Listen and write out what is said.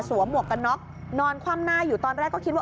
หมวกกันน็อกนอนคว่ำหน้าอยู่ตอนแรกก็คิดว่า